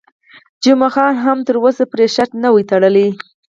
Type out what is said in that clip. جمعه خان هم تر اوسه پرې شرط نه وي تړلی.